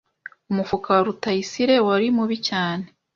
Umufuka wa Rutayisire wari mubi cyane